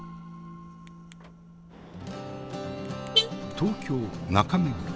東京・中目黒。